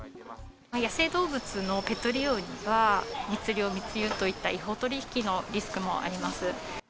野生動物のペット利用は、密猟密輸といった違法取り引きのリスクもあります。